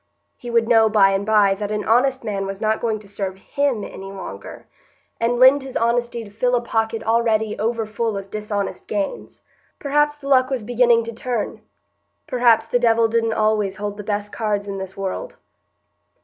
He would know by and by that an honest man was not going to serve him any longer, and lend his honesty to fill a pocket already over full of dishonest gains. Perhaps the luck was beginning to turn; perhaps the Devil didn't always hold the best cards in this world.